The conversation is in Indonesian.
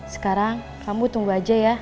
sekarang kamu tunggu aja ya